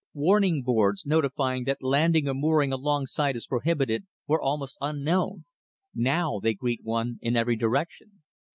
Warning boards notifying that landing or mooring alongside is prohibited were almost unknown, now they greet one in every direction.